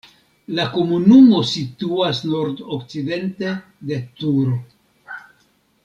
La komunumo situas nordokcidente de Turo.